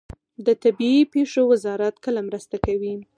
د طبیعي پیښو وزارت کله مرسته کوي؟